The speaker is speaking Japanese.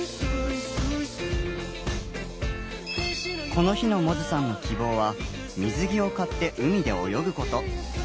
この日の百舌さんの希望は水着を買って海で泳ぐこと。